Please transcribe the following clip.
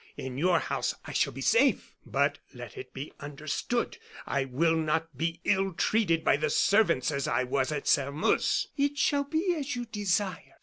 In your house I shall be safe. But let it be understood, I will not be ill treated by the servants as I was at Sairmeuse." "It shall be as you desire."